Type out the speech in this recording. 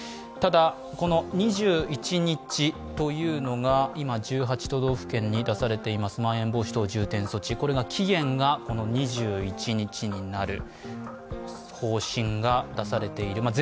ただ、２１日というのが今１８都道府県に出されていますまん延防止等重点措置の期限が２１日になる方針が出されている。